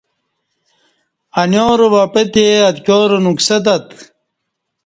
انیارہ وہ پعتے اتکیارہ نُکسہ تت